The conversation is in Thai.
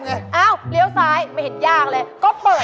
คือไปเจอหลักศรี